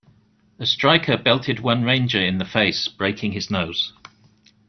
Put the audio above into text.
A striker belted one Ranger in the face, breaking his nose.